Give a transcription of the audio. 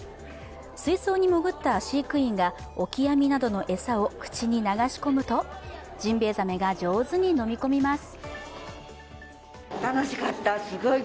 水槽に潜った飼育員がオキアミなどの餌を口に流し込むとジンベエザメが上手に飲み込みます。